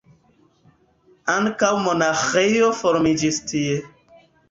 Ankaŭ monaĥejo formiĝis tie.